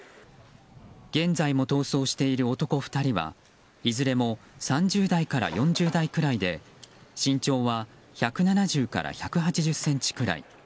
現在も逃走している男２人はいずれも３０代から４０代くらいで身長は１７０から１８０ｃｍくらい。